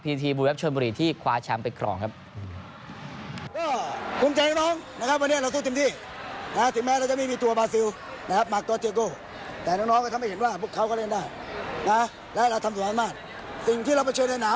สิ่งที่เรามาเชิญในหนามผมบอกเราสู้เต็มที่นะครับ